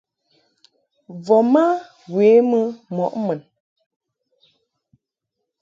Voma we mɨ mɔʼ mun.